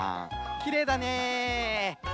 きれいだね。